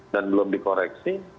dan belum dikoreksi